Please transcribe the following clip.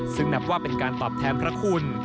ซึ่งนับว่าเป็นการตอบแทนพระคุณ